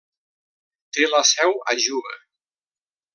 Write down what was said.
Té la seu a Juba.